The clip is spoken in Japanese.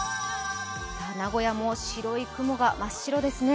名古屋も雲が真っ白ですね。